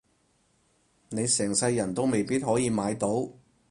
你成世人都未必可以買到